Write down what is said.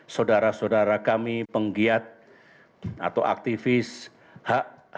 saudara saudara kami penggiat atau aktivis hak azazi maaf